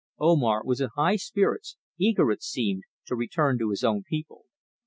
Omar was in high spirits, eager, it seemed, to return to his own people.